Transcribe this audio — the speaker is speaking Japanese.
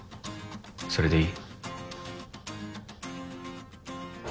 それでいい？